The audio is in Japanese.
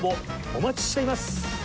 お待ちしています！